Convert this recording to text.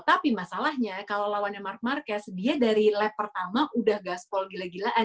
tapi masalahnya kalau lawannya mark marquez dia dari lap pertama udah gaspol gila gilaan